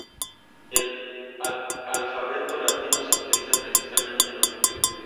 El alfabeto latino se utiliza principalmente en los medios públicos.